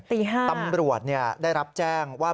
ตี๕ตำรวจได้รับแจ้งว่า